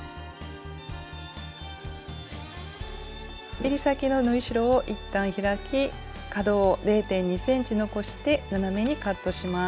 えり先の縫い代をいったん開き角を０．２ｃｍ残して斜めにカットします。